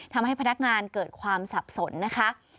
ทำให้พนักงานเกิดความสับสนนะคะ